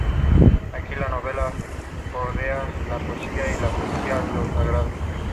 Aquí, la novela bordea la poesía; y la poesía, lo sagrado.